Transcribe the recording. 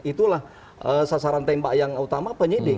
itulah sasaran tembak yang utama penyidik